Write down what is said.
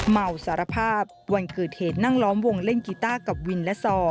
เมาสารภาพวันเกิดเหตุนั่งล้อมวงเล่นกีต้ากับวินและซอ